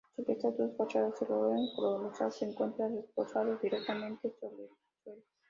Sobre estas dos fachadas, el orden colosal se encuentra reposando directamente sobre el suelo.